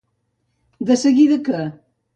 De seguida que.